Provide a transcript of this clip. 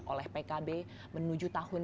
oleh pkb menuju tahun